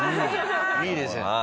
いいですよね。